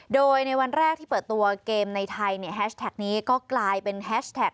โดยในวันแรกที่เปิดตัวเกมในไทยเนี่ยแฮชแท็กนี้ก็กลายเป็นแฮชแท็ก